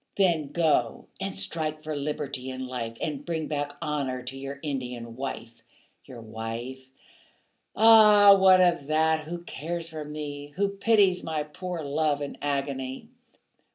Then go and strike for liberty and life, And bring back honour to your Indian wife. Your wife? Ah, what of that, who cares for me? Who pities my poor love and agony?